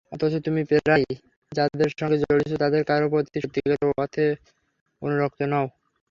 অথচ তুমি যাদের সঙ্গে জড়িয়েছ, তাদের কারও প্রতিই সত্যিকার অর্থে অনুরক্ত নও।